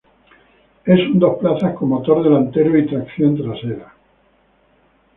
Es un dos plazas con motor delantero y tracción trasera.